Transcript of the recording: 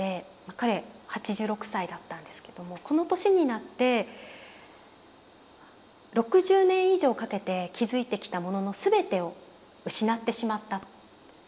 彼８６歳だったんですけども「この年になって６０年以上かけて築いてきたものの全てを失ってしまった」と。